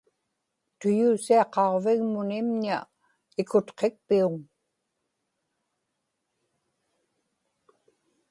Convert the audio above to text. tuyuusiaqaġvigmun imña ikutqitpiuŋ